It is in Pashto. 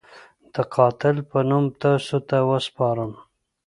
د قاتل په نوم تاسو ته وسپارم.